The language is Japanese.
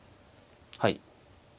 はい。